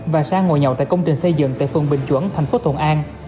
và sang ngồi nhậu tại công trình xây dựng tại phường bình chuẩn thành phố thuận an